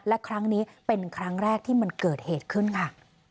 และครั้งนี้เป็นครั้งแรกที่มันเกิดเหตุขึ้นค่ะ